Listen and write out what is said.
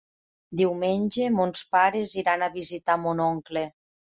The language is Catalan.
Diumenge mons pares iran a visitar mon oncle.